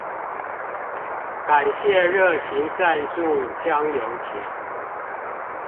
感謝熱情贊助香油錢